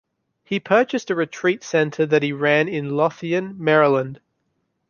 He purchased a retreat center that he ran in Lothian, Maryland.